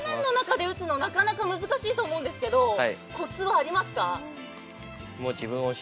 この斜面の中で撃つのはなかなか難しいと思うんですけど、コツはありますか？